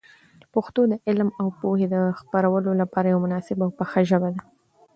پښتو د علم او پوهي د خپرولو لپاره یوه مناسبه او پخه ژبه ده.